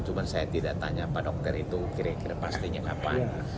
cuma saya tidak tanya pak dokter itu kira kira pastinya kapan